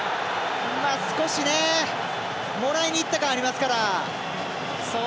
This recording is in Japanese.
少し、もらいにいった感ありますから。